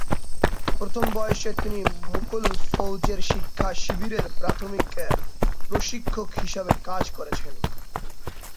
প্রথম বয়সে তিনি মুকুল ফৌজের শিক্ষা শিবিরের প্রশিক্ষক হিসেবেও কাজ করেছেন।